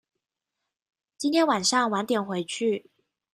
今天晚上晚點回去